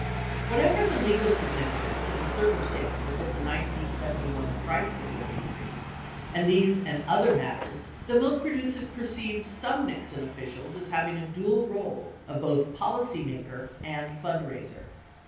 Whatever the legal significance of the circumstances of the 1971 price support increase and these and other matters, the milk producers perceived some Nixon officials as having a dual role of both policy maker and fundraiser.